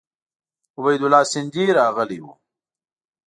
عبیدالله سیندهی راغلی وو.